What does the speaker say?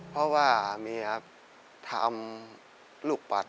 เพราะว่าเมียทำลูกปัด